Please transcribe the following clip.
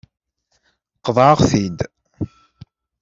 Qeḍɛeɣ-t-id.